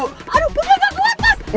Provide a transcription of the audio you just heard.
aduh gue kagak kuat